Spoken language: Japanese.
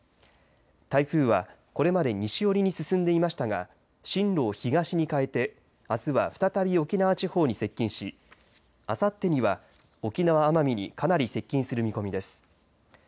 台風はこれまで西寄りに進んでいましたが進路を東に変えてあすは再び沖縄地方に接近しあさってには沖縄奄美にかなり接近する見込みです。